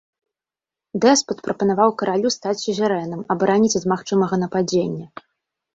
Дэспат прапанаваў каралю стаць сюзерэнам, абараніць ад магчымага нападзення.